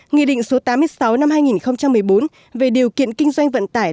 nghị định số tám mươi sáu năm hai nghìn một mươi bốn về điều kiện kinh doanh vận tải